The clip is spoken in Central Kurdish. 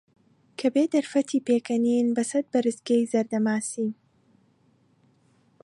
کەبێ دەرفەتی پێکەنینن بەسەد بەرزگی زەردە ماسی